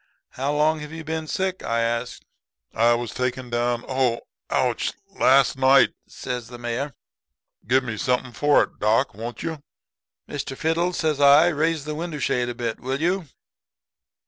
"'How long have you been sick?' I asked. "'I was taken down ow ouch last night,' says the Mayor. 'Gimme something for it, doc, won't you?' "'Mr. Fiddle,' says I, 'raise the window shade a bit, will you?'